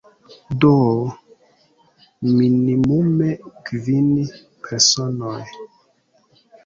Do, minimume kvin personoj.